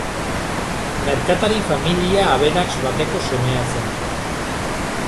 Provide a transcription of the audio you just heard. Merkatari-familia aberats bateko semea zen.